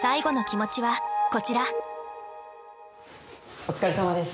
お疲れさまです。